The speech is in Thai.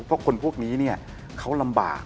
เพราะคนพวกนี้เขาลำบาก